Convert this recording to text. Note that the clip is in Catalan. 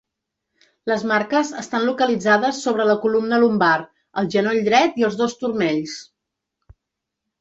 Les marques estan localitzades sobre la columna lumbar, el genoll dret i els dos turmells.